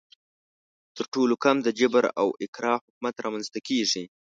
تر ټولو کم د جبر او اکراه حکومت رامنځته کیږي.